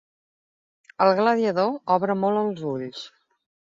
El gladiador obre molt els ulls.